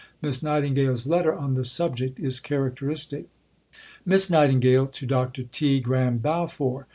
Miss Nightingale's letter on the subject is characteristic: (_Miss Nightingale to Dr. T. Graham Balfour.